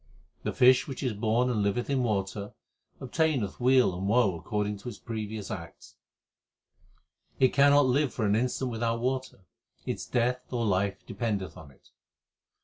The fish which is born and liveth in water, obtaineth weal and woe according to its previous acts. It cannot live for an instant without water ; its death or life dependeth on it.